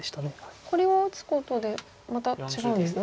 これを打つことでまた違うんですね。